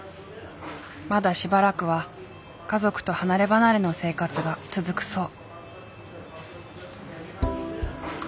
まだしばらくは家族と離れ離れの生活が続くそう。